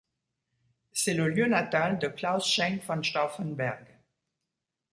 C'est le lieu natal de Claus Schenk von Stauffenberg.